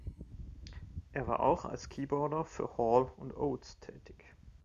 Er war auch als Keyboarder für Hall und Oates tätig.